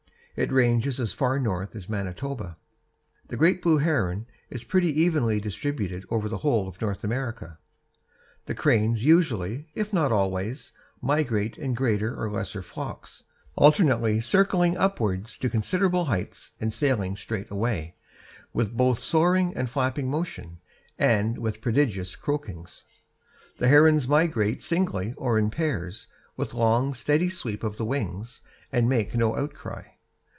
It ranges as far north as Manitoba. The great blue heron is pretty evenly distributed over the whole of North America. The cranes usually, if not always, migrate in greater or lesser flocks, alternately circling upward to considerable heights and sailing straight away, with both soaring and flapping motion, and with prodigious croakings. The herons migrate singly or in pairs, with long, steady sweep of the wings, and make no outcry.